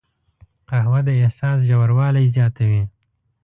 قهوه د احساس ژوروالی زیاتوي